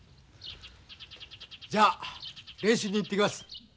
じゃあ練習に行ってきます。